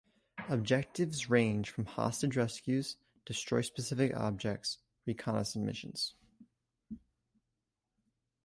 Objectives range from hostage rescues, destroy specific objects, reconnaissance missions.